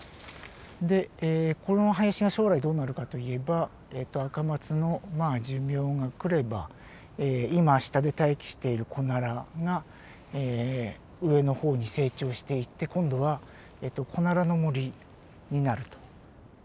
でこの林が将来どうなるかといえばアカマツの寿命が来れば今下で待機しているコナラが上の方に成長していって今度はコナラの森になると。